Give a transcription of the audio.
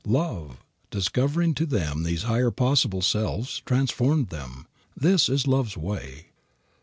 Love, discovering to them these higher possible selves, transformed them. THIS IS LOVE'S WAY.